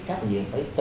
cắp tiền phải tự